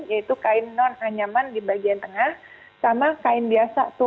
yaitu kain non anyaman di bagian tengah sama kain biasa tuh